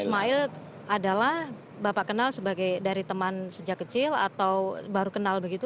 ismail adalah bapak kenal sebagai dari teman sejak kecil atau baru kenal begitu